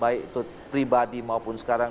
baik itu pribadi maupun sekarang